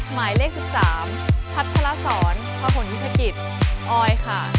หมายเลข๑๓พัฒนภาษาสอนพระผลวิธกิจออย